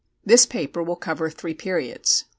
This paper will cover three periods: (1).